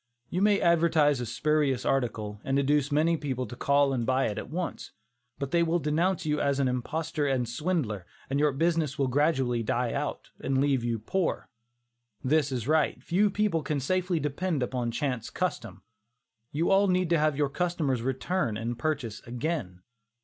You may advertise a spurious article, and induce many people to call and buy it once, but they will denounce you as an imposter and swindler, and your business will gradually die out, and leave you poor. This is right. Few people can safely depend upon chance custom. You all need to have your customers return and purchase again.